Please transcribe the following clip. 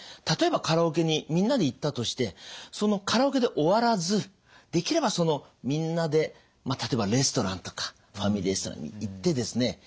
例えばカラオケにみんなで行ったとしてそのカラオケで終わらずできればそのみんなで例えばレストランとかファミリーレストランに行ってですね